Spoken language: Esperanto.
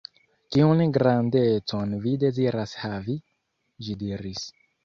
"Kiun grandecon vi deziras havi?" ĝi diris.